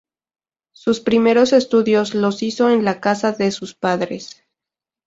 Sus primero estudios los hizo en la casa de sus padres.